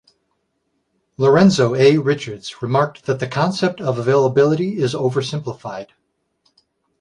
Lorenzo A. Richards remarked that the concept of availability is oversimplified.